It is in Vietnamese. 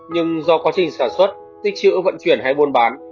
nhưng do quá trình sản xuất tích chữ vận chuyển hay buôn bán